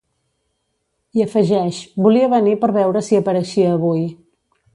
I afegeix: Volia venir per veure si apareixia avui.